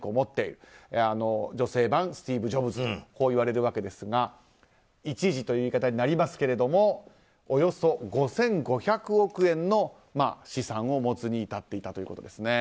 女性版スティーブ・ジョブズと言われるわけですが一時という言い方になりますがおよそ５５００億円の資産を持つに至っていたということです。